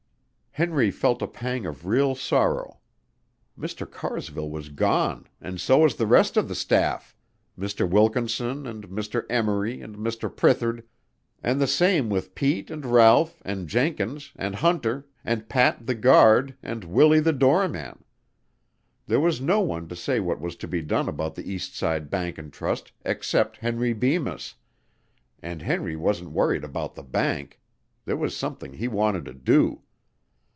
Henry felt a pang of real sorrow. Mr. Carsville was gone, and so was the rest of the staff Mr. Wilkinson and Mr. Emory and Mr. Prithard, and the same with Pete and Ralph and Jenkins and Hunter and Pat the guard and Willie the doorman. There was no one to say what was to be done about the Eastside Bank & Trust except Henry Bemis, and Henry wasn't worried about the bank, there was something he wanted to do.